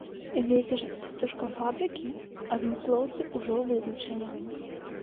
Вецер з птушкафабрыкі, адмыслоўцы ўжо вызначылі.